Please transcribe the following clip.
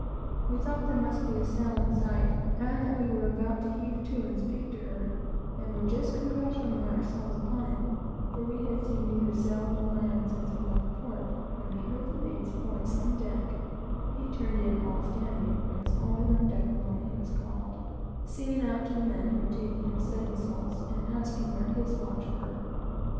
We thought there must be a sail in sight, and that we were about to heave to and speak her; and were just congratulating ourselves upon it for we had seen neither sail nor land since we had left port when we heard the mate's voice on deck, (he turned in "all standing," and was always on deck the moment he was called,) singing out to the men who were taking in the studding sails, and asking where his watch were.